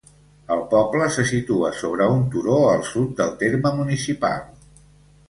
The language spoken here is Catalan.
El poble se situa sobre un turó al sud del terme municipal.